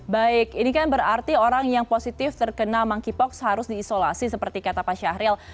baik ini kan berarti orang yang positif terkena monkeypox harus diisolasi seperti kata pak syahril